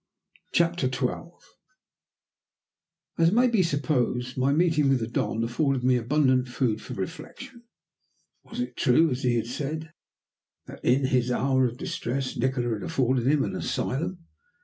CHAPTER XII As may be supposed my meeting with the Don afforded me abundant food for reflection. Was it true, as he had said, that in his hour of distress Nikola had afforded him an asylum?